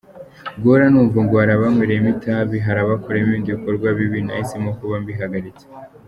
Guhora numva ngo hari abanywereyemo itabi, hari abakoreyemo ibindi bikorwa bibi nahisemo kuba mbihagaritse.